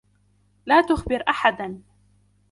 لا تُخبِر أحداً.